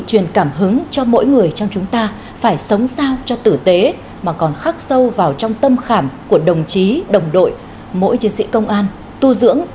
để cho mỗi chúng ta từ đó cảm thấy trách nhiệm của mình lớn hơn